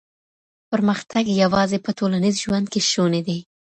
پرمختګ يوازې په ټولنيز ژوند کي شونی دی.